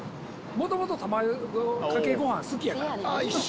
もともと卵かけごはん好きやから。